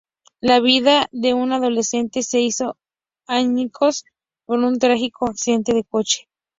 La vida de un adolescente se hizo añicos por un trágico accidente de coche.